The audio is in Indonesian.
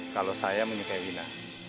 kalau saya menyukai wina